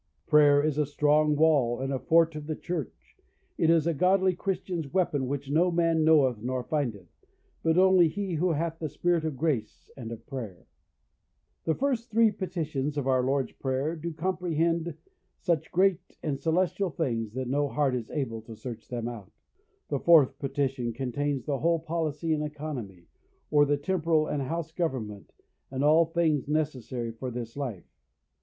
Prayer is a strong wall, and a fort of the church; it is a godly Christian's weapon, which no man knoweth nor findeth, but only he who hath the spirit of grace and of prayer. The three first petitions in our Lord's prayer do comprehend such great and celestial things, that no heart is able to search them out. The fourth petition containeth the whole policy and economy, or the temporal and house government, and all things necessary for this life.